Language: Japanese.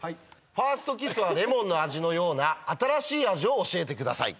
「ファーストキスはレモンの味」のような新しい味を教えてください。